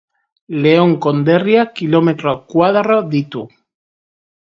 Leon konderriak kilometro koadro ditu.